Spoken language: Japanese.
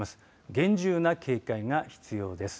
厳重な警戒が必要です。